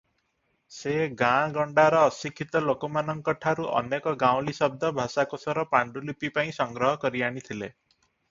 ସେ ଗାଆଁଗଣ୍ଡାର ଅଶିକ୍ଷିତ ଲୋକମାନଙ୍କଠାରୁ ଅନେକ ଗାଉଁଲି ଶବ୍ଦ ଭାଷାକୋଷର ପାଣ୍ଠୁଲିପି ପାଇଁ ସଂଗ୍ରହ କରିଆଣିଥିଲେ ।